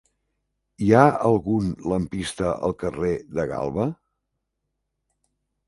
Hi ha algun lampista al carrer de Galba?